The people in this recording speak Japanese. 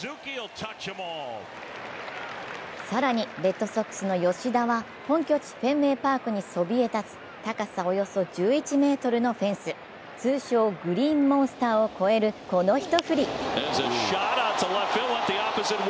更にレッドソックスの吉田は本拠地、フェンウェイ・パークにそびえ立つ高さおよそ１１ｍのフェンス、通称グリーンモンスターを越えるこの一振り。